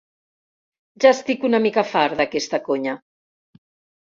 Ja estic una mica fart d'aquesta conya.